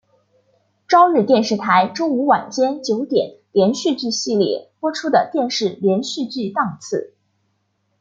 朝日电视台周五晚间九点连续剧系列播出的电视连续剧档次。